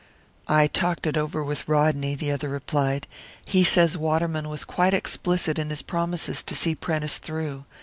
"I talked it over with Rodney," the other replied. "He says Waterman was quite explicit in his promises to see Prentice through.